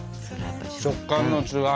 食感の違い。